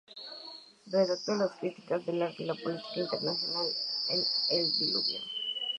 Redactó las críticas de arte y de política internacional en "El Diluvio".